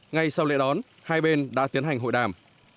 ngay sau lễ đón hai bên đã tiến hành hội đàm